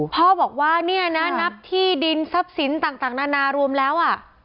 พ่อบอกว่าเนี่ยนะนับที่ดินทรัพย์สินต่างนานารวมแล้ว